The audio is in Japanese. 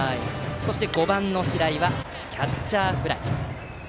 そして、５番の白井はキャッチャーフライ。